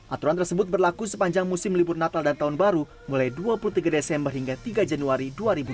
aturan tersebut berlaku sepanjang musim libur natal dan tahun baru mulai dua puluh tiga desember hingga tiga januari dua ribu dua puluh